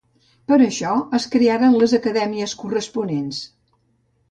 Per això, es crearen les Acadèmies Corresponents.